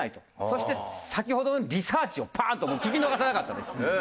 そして先ほどのリサーチをパーン！ともう聞き逃さなかったです。